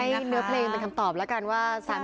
เนื้อเพลงเป็นคำตอบแล้วกันว่า